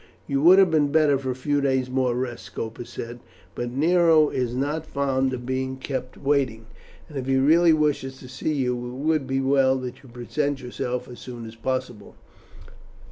"You would have been better for a few days more rest," Scopus said, "but Nero is not fond of being kept waiting; and if he really wishes to see you it would be well that you present yourself as soon as possible."